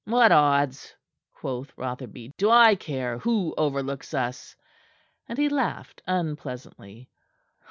"What odds?" quoth Rotherby. "Do I care who overlooks us?" And he laughed unpleasantly.